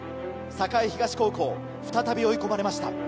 栄東高校再び追い込まれました。